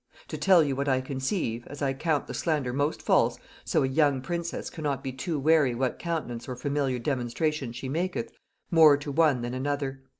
To tell you what I conceive; as I count the slander most false, so a young princess cannot be too wary what countenance or familiar demonstration she maketh, more to one than another.